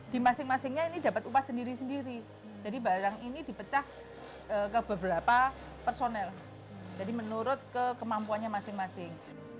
di masing masingnya ini dapat upah sendiri sendiri jadi barang ini dipecah ke beberapa personel jadi menurut kekemampuannya masing masing